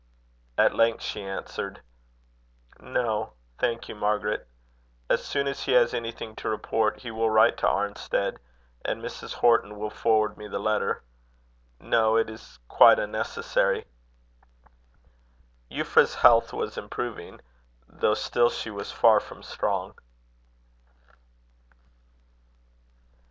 At length she answered: "No, thank you, Margaret. As soon as he has anything to report, he will write to Arnstead, and Mrs. Horton will forward me the letter. No it is quite unnecessary." Euphra's health was improving a little, though still she was far from strong.